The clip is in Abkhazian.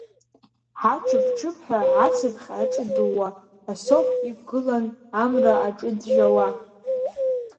Аҽыԥ-ҽыԥҳәа ацыԥхь аҿыддуа, асоф иқәгылан Амра аҿы ӡәӡәауа.